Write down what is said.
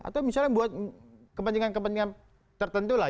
atau misalnya buat kepentingan kepentingan tertentu lah